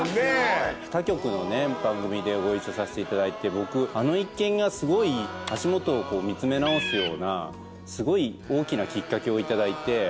他局の番組でご一緒させていただいて僕あの一件がすごい足元を見つめ直すようなすごい大きなきっかけを頂いて。